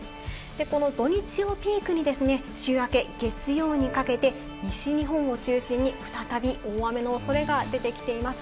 この土日をピークにですね、週明け、月曜にかけて、西日本を中心に再び大雨の恐れが出てきています。